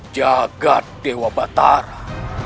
jagad dewa batara